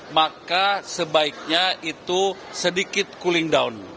maka sebaiknya itu sedikit cooling down